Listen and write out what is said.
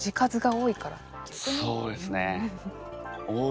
そうですね多い。